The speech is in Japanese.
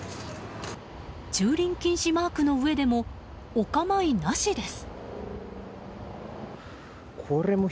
駐輪禁止マークの上でもお構いなしです。